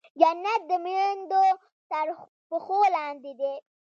جنت د مېندو تر پښو لاندې دی.